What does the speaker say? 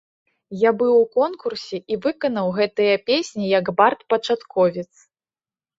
Я быў у конкурсе і выканаў гэтыя песні як бард-пачатковец.